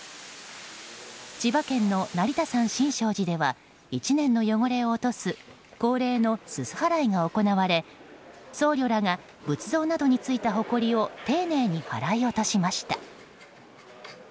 千葉県の成田山新勝寺では１年の汚れを落とす恒例のすす払いが行われ僧侶らが仏像などについたほこりを丁寧に払い落としました。